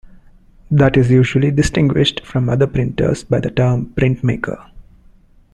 That is usually distinguished from other printers by the term printmaker.